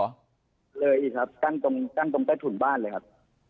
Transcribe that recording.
เลยอีกครับกั้นตรงใกล้ถุ่นบ้านเลยครับ